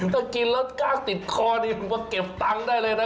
ตอนกินแล้วกากติดคอที่ก็เก็บตังได้เลยนะ